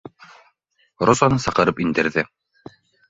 Розаны саҡырып индерҙе